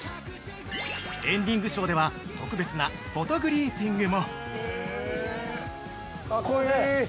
◆エンディング・ショーでは特別なフォト・グリーティングも！◆かっこいい！